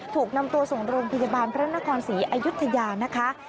ถูกนำตัวส่งโรงพยาบาลพระนครศรีอายุทยานะคะ